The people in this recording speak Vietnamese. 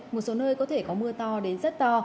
một số nơi có thể có mưa to đến rất to